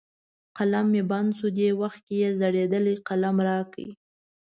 قلم مې بند شو، دې وخت کې یې زړېدلی قلم را کړ.